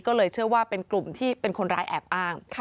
ก็เลยเชื่อว่าเป็นกลุ่มที่เป็นคนร้ายแอบอ้าง